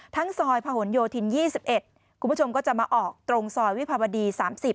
ซอยพะหนโยธิน๒๑คุณผู้ชมก็จะมาออกตรงซอยวิภาวดี๓๐